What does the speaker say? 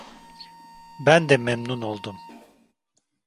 Ben de memnun oldum.